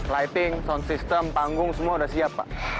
lighting sound system panggung semua sudah siap pak